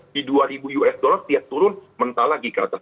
di dua ribu usd tiap turun mentah lagi ke atas